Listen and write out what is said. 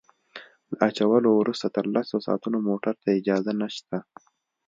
له اچولو وروسته تر لسو ساعتونو موټرو ته اجازه نشته